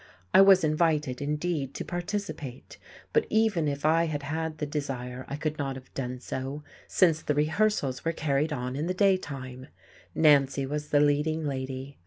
I was invited, indeed, to participate; but even if I had had the desire I could not have done so, since the rehearsals were carried on in the daytime. Nancy was the leading lady.